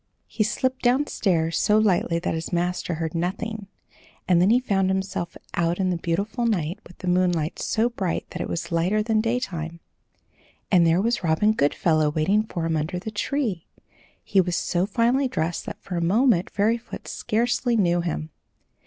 He slipped downstairs so lightly that his master heard nothing, and then he found himself out in the beautiful night with the moonlight so bright that it was lighter than daytime. And there was Robin Goodfellow waiting for him under the tree! He was so finely dressed that, for a moment, Fairyfoot scarcely knew him.